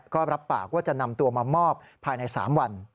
ก็รับปากว่าจะนำตัวมามอบภายใน๓วัน